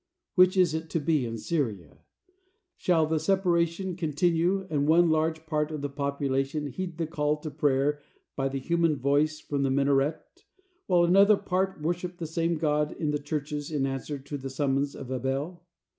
'" Which is it to be in Syria? Shall the separation continue, and one large part of the population heed the call to prayer by the human voice from the minaret, while another part worship the same God in the churches in answer to the summons of a bell?